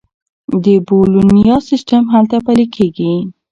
د بولونیا سیستم هلته پلي کیږي.